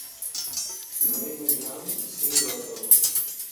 مري ۾ جام سي هئي ٿو.